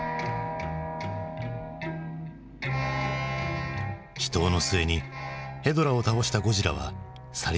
死闘の末にヘドラを倒したゴジラは去り際に。